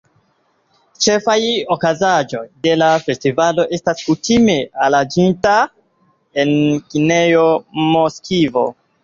Ĉefaj okazaĵoj de la festivalo estas kutime aranĝitaj en kinejo Moskvo.